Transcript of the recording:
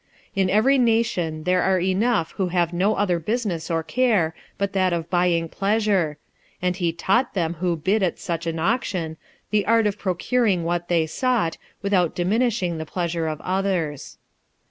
In every nation there are enough who have no other business or care but that of buying pleasure ; and he taught them who bid at such an auction, the art of procuring what they sought, without diminishing the pleasure of others.